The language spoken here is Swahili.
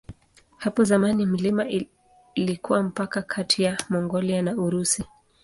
Hapo zamani milima ilikuwa mpaka kati ya Mongolia na Urusi.